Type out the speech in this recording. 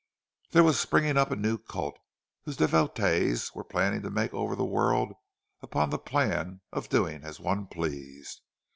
There was springing up a new cult, whose devotees were planning to make over the world upon the plan of doing as one pleased.